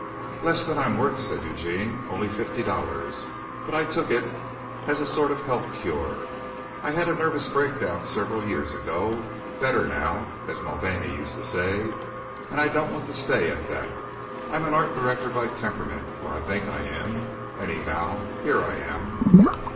"Less than I'm worth," said Eugene. "Only fifty dollars. But I took it as a sort of health cure. I had a nervous breakdown several years ago better now, as Mulvaney used to say and I don't want to stay at that. I'm an art director by temperament, or I think I am. Anyhow, here I am."